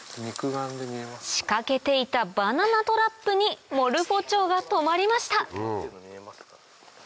仕掛けていたバナナトラップにモルフォチョウが止まりました